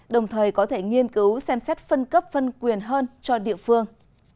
đồng thời có thể nghiên cứu xem xét phân cấp phân quyền hơn cho địa phương